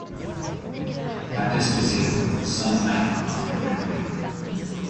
That is to say, some time after midnight.